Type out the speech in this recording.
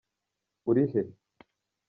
Uri he?